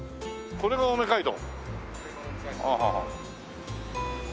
これが青梅街道。